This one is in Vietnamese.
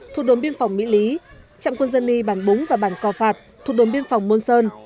thuộc đồn biên phòng mỹ lý trạm quân dân y bản búng và bản co phạt thuộc đồn biên phòng môn sơn